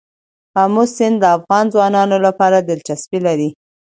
آمو سیند د افغان ځوانانو لپاره دلچسپي لري.